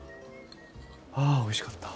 あおいしかった。